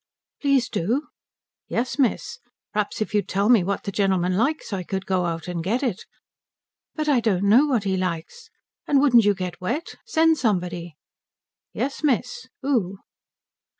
"Please do." "Yes miss. Perhaps if you'd tell me what the gentleman likes I could go out and get it." "But I don't know what he likes. And wouldn't you get wet? Send somebody." "Yes miss. Who?"